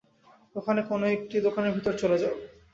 ওখানে কোনো একটা দোকানের ভেতরে চলে যাও।